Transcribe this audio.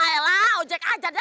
ayolah ojek aja dah